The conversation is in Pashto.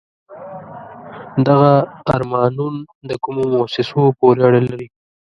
دغه آرمانون د کومو موسسو پورې اړه لري؟